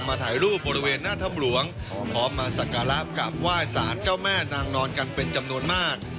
เดินทางมาถ่ายรูปบริเวณหน้าทำหลวงพร้อมมาสักการาบกับว่ายสานเจ้าแม่นางนอนกันเป็นจำนวนมาก